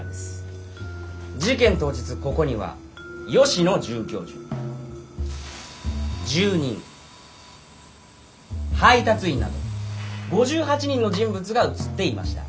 事件当日ここには吉野准教授住人配達員など５８人の人物が写っていました。